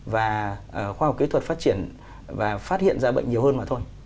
và khoa học kỹ thuật phát triển và phát hiện ra bệnh nhiều hơn mà thôi